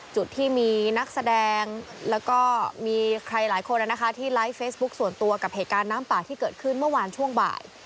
จุดที่มีนักแสดงแล้วก็มีใครหลายคนที่ไลฟ์เฟซบุ๊คส่วนตัวกับเหตุการณ์น้ำป่าที่เกิดขึ้นเมื่อวานช่วงบ่าย